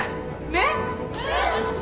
ねっ？